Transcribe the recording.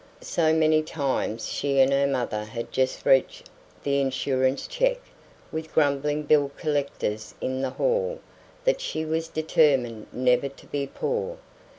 So many times she and her mother had just reached the insurance check, with grumbling bill collectors in the hall, that she was determined never to be poor.